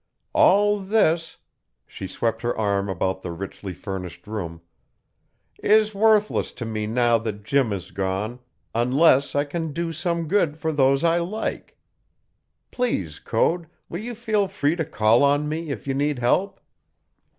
All this" she swept her arm about the richly furnished room "is worthless to me now that Jim is gone, unless I can do some good for those I like. Please, Code, will you feel free to call on me if you need help?"